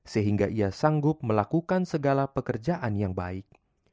sehingga ia sanggup melakukan segala pekerjaan yang baik